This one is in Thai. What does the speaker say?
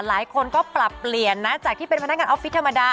หลายคนก็ปรับเปลี่ยนนะจากที่เป็นพนักงานออฟฟิศธรรมดา